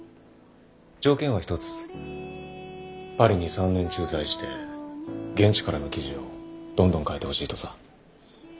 条件は一つパリに３年駐在して現地からの記事をどんどん書いてほしいとさ。